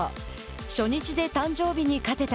初日で誕生日に勝てた。